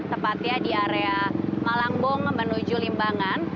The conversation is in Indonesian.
tepatnya di area malangbong menuju limbangan